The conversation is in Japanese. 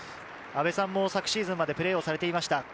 阿部さんも昨シーズンまでプレーをしていました。